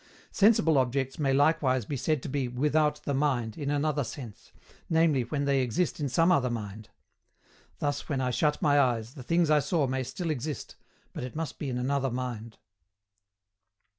Sensible objects may likewise be said to be "without the mind" in another sense, namely when they exist in some other mind; thus, when I shut my eyes, the things I saw may still exist, but it must be in another mind.